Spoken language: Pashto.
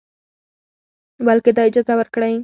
بلکې دا اجازه ورکړئ